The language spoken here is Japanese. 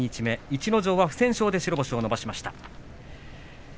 逸ノ城は不戦勝で白星を伸ばしました。